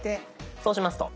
そうしますと。